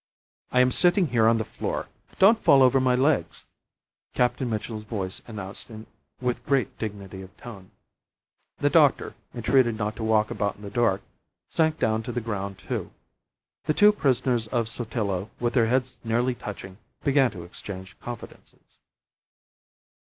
"I am sitting here on the floor. Don't fall over my legs," Captain Mitchell's voice announced with great dignity of tone. The doctor, entreated not to walk about in the dark, sank down to the ground, too. The two prisoners of Sotillo, with their heads nearly touching, began to exchange confidences.